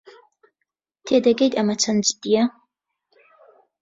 تێدەگەیت ئەمە چەند جددییە؟